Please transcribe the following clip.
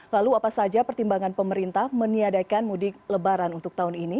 lalu apa saja pertimbangan pemerintah meniadakan mudik lebaran untuk tahun ini